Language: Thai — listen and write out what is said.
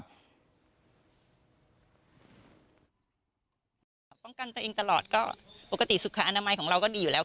ป้องกันตัวเองตลอดก็ปกติสุขอนามัยของเราก็ดีอยู่แล้ว